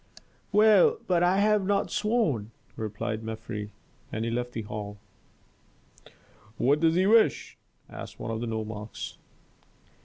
"Well, but I have not sworn," replied Mefres, and he left the hall. "What does he wish?" asked one of the nomarchs.